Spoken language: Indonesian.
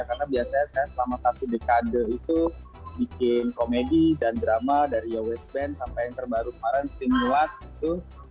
karena biasanya saya selama satu dekade itu bikin komedi dan drama dari yowes band sampai yang terbaru kemarin stimulat gitu